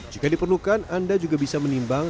jika diperlukan anda juga bisa menimbang